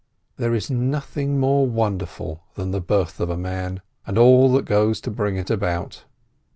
There is nothing more wonderful than the birth of a man, and all that goes to bring it about.